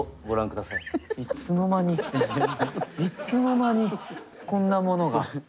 いつの間にこんなものが。